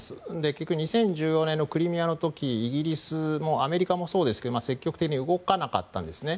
結局２０１４年のクリミアの時イギリスはアメリカもそうですが積極的に動かなかったんですね。